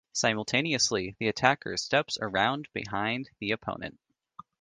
Simultaneously the attacker steps around behind the opponent.